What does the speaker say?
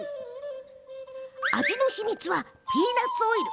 味の秘密は、ピーナツオイル。